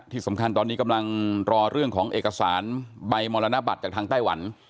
ที่สำคัญตอนนี้กำลังรอเรื่องของเอกสารใบมรณบัตรจากทางไต้หวัน